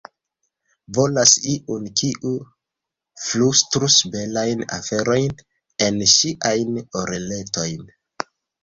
Volas iun, kiu flustrus belajn aferojn en ŝiajn oreletojn.